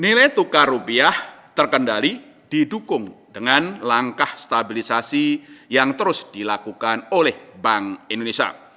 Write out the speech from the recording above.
nilai tukar rupiah terkendali didukung dengan langkah stabilisasi yang terus dilakukan oleh bank indonesia